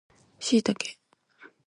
シイタケ